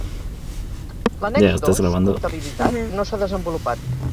L'annex dos, Comptabilitat, no s'ha desenvolupat.